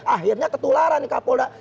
akhirnya ketularan di kapolda